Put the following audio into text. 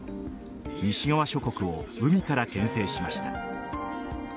西側諸国を海からけん制しました。